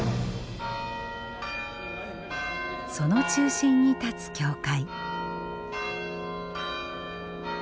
その中心に立つ教会。